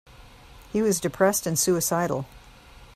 He was depressed and suicidal.